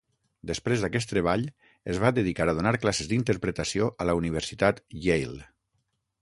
Després d'aquest treball es va dedicar a donar classes d'interpretació a la Universitat Yale.